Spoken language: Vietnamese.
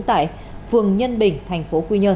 tại phường nhân bình thành phố quy nhơn